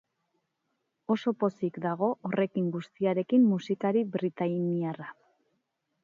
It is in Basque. Oso pozik dago horrekin guztiarekin musikari britainiarra.